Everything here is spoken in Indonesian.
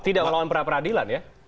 tidak melawan pra peradilan ya